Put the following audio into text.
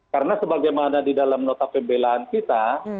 karena sebagaimana di dalam nota pembelaan kita